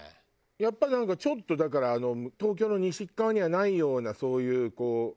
やっぱりなんかちょっとだから東京の西側にはないようなそういうこう何？